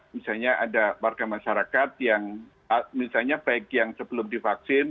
misalnya ada warga masyarakat yang misalnya baik yang sebelum divaksin